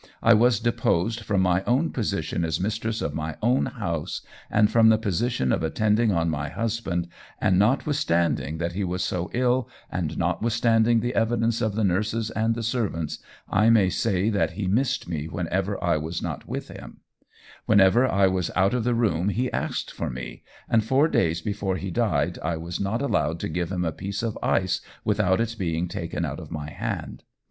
I was deposed from my own position as mistress of my own house, and from the position of attending on my husband, and notwithstanding that he was so ill, and notwithstanding the evidence of the nurses and the servants, I may say that he missed me whenever I was not with him; whenever I was out of the room he asked for me, and four days before he died I was not allowed to give him a piece of ice without its being taken out of my hand.